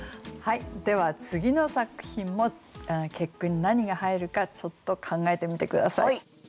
では次の作品も結句に何が入るかちょっと考えてみて下さい。